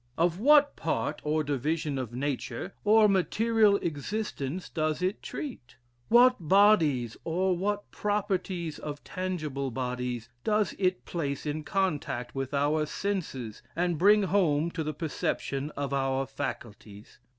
Of what part or division of nature, or material existence, does it treat? What bodies, or what properties of tangible bodies, does it place in contact with our senses, and bring home to the perception of our faculties?